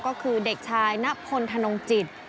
ก็คือเด็กชายนพลธนงจิต